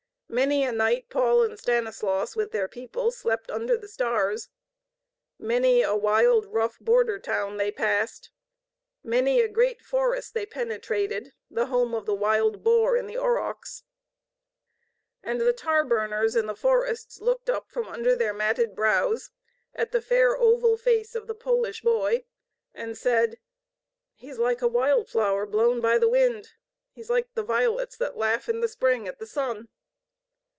Many a night Paul and Stanislaus, with their people, slept under the stars. Many a wild, rough border town they passed. Many a great forest they penetrated, the home of the wild boar and the aurochs. And the tar burners in the forests looked up from under their matted brows at the fair oval face of the Polish boy, and said: "He is like a wild flower blown by the wind. He is like the violets that laugh in spring at the sun."